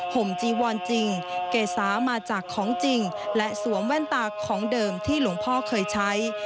ห่มจีวอนจริงเกษามาจากของจริงและสวมแว่นตาของเดิมที่หลวงพ่อเคยใช้